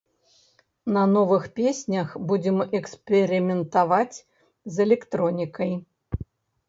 На новых песнях будзем эксперыментаваць з электронікай.